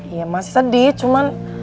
iya masih sedih cuman